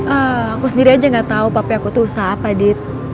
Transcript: aku sendiri aja nggak tau papi aku tuh usaha apa dit